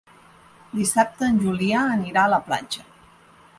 Dissabte en Julià anirà a la platja.